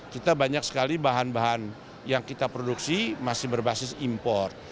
kita banyak sekali bahan bahan yang kita produksi masih berbasis impor